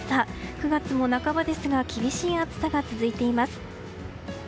９月も半ばですが厳しい暑さが続いています。